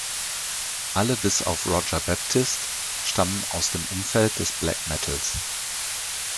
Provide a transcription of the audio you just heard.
Alle bis auf Roger Baptist stammen aus dem Umfeld des Black Metals.